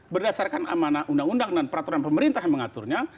berdasarkan amanah undang undang dan peraturan pemerintah yang mengaturnya